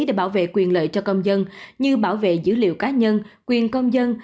để bảo vệ quyền lợi cho công dân như bảo vệ dữ liệu cá nhân quyền công dân